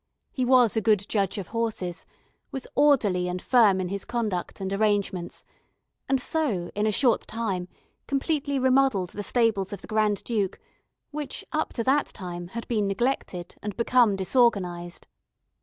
He was a good judge of horses, was orderly and firm in his conduct and arrangements, and so, in a short time, completely remodelled the stables of the Grand Duke, which, up to that time, had been neglected, and become disorganised.